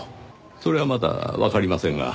それはまだわかりませんが。